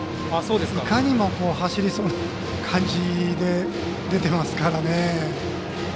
いかにも走りそうな感じで出てますから。